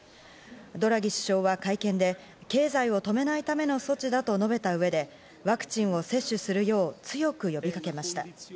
ドラギ首相は会見で、経済を止めないための措置だと述べた上で、ワクチンを接種するよう、強く呼びかけました。